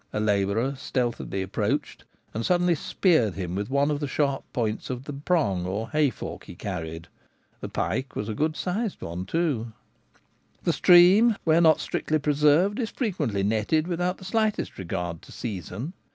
A labourer stealthily approached, and suddenly speared him with one of the sharp points of the prong or hayfork he carried : the pike was a good sized one too. 1 90 The Gamekeeper at Home. The stream, where not strictly preserved, is frequently netted without the slightest regard to season.